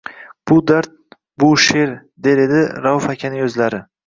Bu – dard, bu– she’r – der edi Rauf akaning o’zlari.